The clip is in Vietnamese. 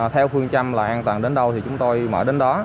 theo phương châm là an toàn đến đâu thì chúng tôi mở đến đó